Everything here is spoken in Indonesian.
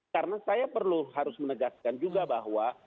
karena saya perlu harus menegaskan juga bahwa